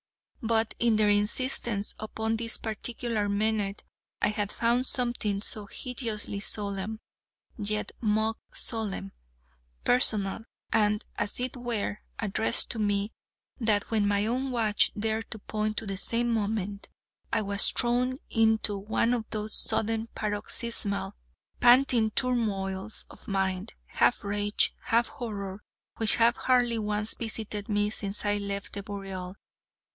But in their insistence upon this particular minute I had found something so hideously solemn, yet mock solemn, personal, and as it were addressed to me, that when my own watch dared to point to the same moment, I was thrown into one of those sudden, paroxysmal, panting turmoils of mind, half rage, half horror, which have hardly once visited me since I left the Boreal.